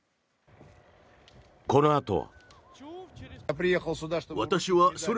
このあとは。